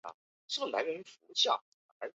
官币小社支付币帛乃至币帛料的神社。